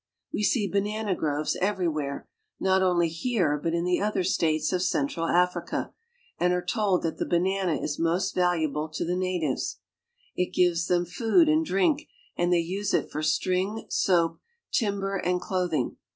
We see banana groves everywhere, not only here but in Wthe other States of central Airica ; and are told that the ■.banana is most valuable to the natives, It gives them ifood and drink, and they use it for string, soap, timber, land clothing.